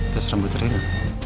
tes rambut reina